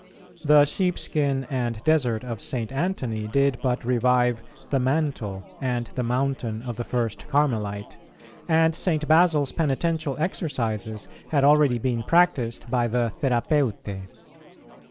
The sheepskin and desert of St. Antony did but revive "the mantle"[397:2] and the mountain of the first Carmelite, and St. Basil's penitential exercises had already been practised by the Therapeutæ.